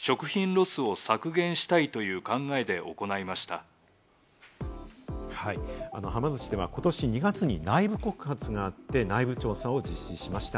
その理由について会社側は。はま寿司では今年２月に内部告発があって内部調査を実施しました。